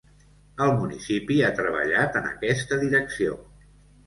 El municipi ha treballat en aquesta direcció.